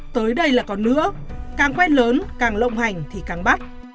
tới đây là còn nữa càng quen lớn càng long hành thì càng bắt